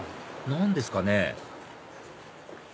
何ですかね？